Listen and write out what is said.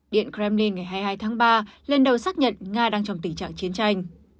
điện kremlin ngày hai mươi hai tháng ba lần đầu xác nhận nga đang trong tình trạng chiến tranh